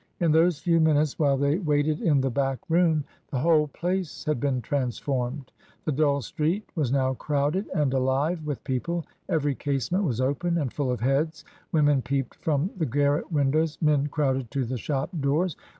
In those few minutes while they waited in the back room, the whole place had been transformed; the dull street was now crowded and alive with people; every casement was open and full of heads, women peeped from the garret windows, men crowded to the shop doors.